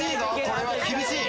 これは厳しい。